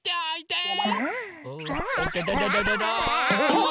うわ！